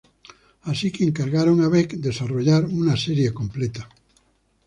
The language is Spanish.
Así que encargaron a Beck desarrollar una serie completa.